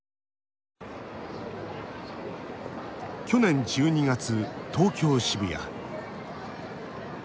去年１２月、東京・渋谷。